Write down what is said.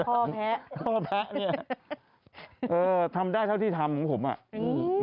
พ่อแพ้พ่อแพ้เนี่ยเออทำได้เท่าที่ทำของผมอ่ะอืม